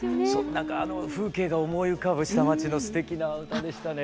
なんかあの風景が思い浮かぶ下町のすてきな歌でしたね。